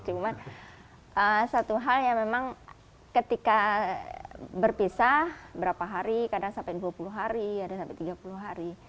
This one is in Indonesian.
cuma satu hal yang memang ketika berpisah berapa hari kadang sampai dua puluh hari kadang sampai tiga puluh hari